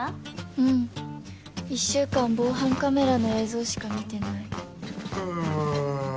うん１週間防犯カメラの映像しか見てない。